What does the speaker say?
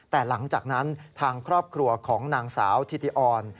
แต่หลังจากนั้นทางครอบครัวของนางสาวธิติออน